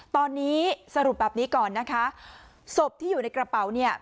ตอนนี้สรุปแบบนี้ก่อนนะคะศพที่อยู่ในกระเป๋าเนี่ย